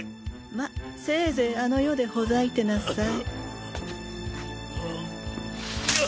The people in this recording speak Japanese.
ませいぜいあの世でほざいてなさい。